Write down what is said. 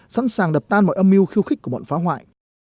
sẵn sàng đập tan mọi âm mưu khiêu khích của bọn phá hoại